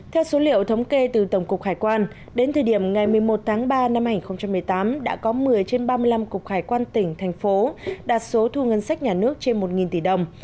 theo số liệu thống kê từ tổng cục hải quan đến thời điểm ngày một mươi một tháng ba năm hai nghìn một mươi tám đã có một mươi trên ba mươi năm cục hải quan tỉnh thành phố đạt số thu ngân sách nhà nước trên một tỷ đồng